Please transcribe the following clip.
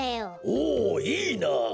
おおいいなあ。